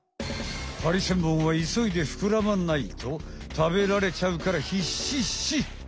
ハリセンボンはいそいでふくらまないとたべられちゃうからひっしっし！